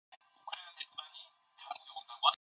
나 하나 공부두 못 허게 말끔 팔어 없애구서 큰소리가 무슨 큰소리 유.